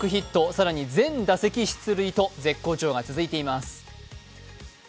更に全打席出塁と絶好調が続いています。